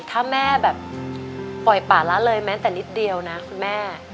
ถ้าแม่แบบปล่อยป่าละเลยแม้แต่นิดเดียวนะคุณแม่